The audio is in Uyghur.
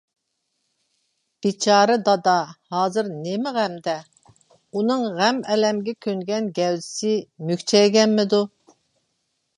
بىچارە دادا ھازىر نېمە غەمدە، ئۇنىڭ غەم-ئەلەمگە كۆنگەن گەۋدىسى مۈكچەيگەنمىدۇ؟